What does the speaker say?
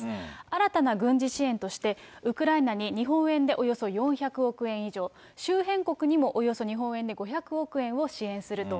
新たな軍事支援として、ウクライナに日本円でおよそ４００億円以上、周辺国にもおよそ日本円で５００億円を支援すると。